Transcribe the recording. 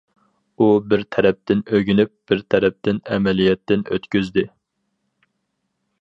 ئۇ بىر تەرەپتىن ئۆگىنىپ، بىر تەرەپتىن ئەمەلىيەتتىن ئۆتكۈزدى.